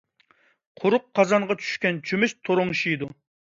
قۇرۇق قازانغا چۈشكەن چۆمۈچ تورۇڭشىيدۇ.